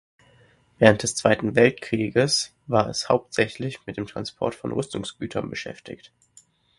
Während des Zweiten Weltkrieges war es hauptsächlich mit dem Transport von Rüstungsgütern beschäftigt.